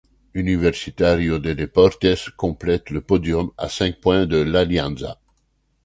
Universitario de Deportes complète le podium, à cinq points de l'Alianza.